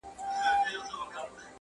څوك به غوږ نيسي نارو ته د بې پلارو!!